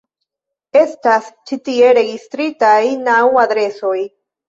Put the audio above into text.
Estas ĉi tie registritaj naŭ adresoj.